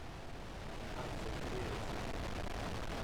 I think it is.